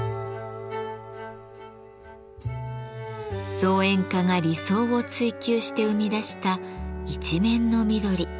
造園家が理想を追求して生み出した一面の緑。